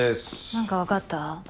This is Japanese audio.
なんか分かった？